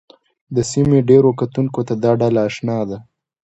د سیمې ډېرو کتونکو ته دا ډله اشنا ده